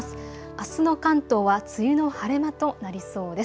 あすの関東は梅雨の晴れ間となりそうです。